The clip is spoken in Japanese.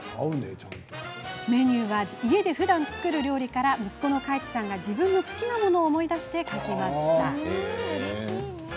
メニューは家でふだん作る料理から息子の開馳さんが自分の好きなものを思い出して書きました。